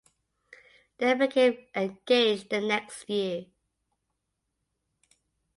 They became engaged the next year.